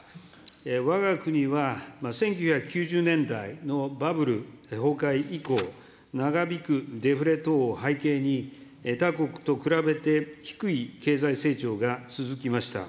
わが国は１９９０年代のバブル崩壊以降、長引くデフレ等を背景に、他国と比べて低い経済成長が続きました。